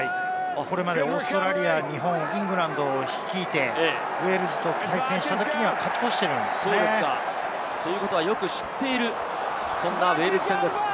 これまでオーストラリアに日本、イングランドを率いてウェールズと対戦したときには勝ち越しているんですよね。ということはよく知っている、そんなウェールズ戦です。